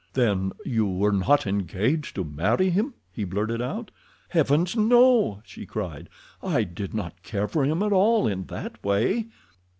"Then you were not engaged to marry him?" he blurted out. "Heavens, no!" she cried. "I did not care for him at all in that way."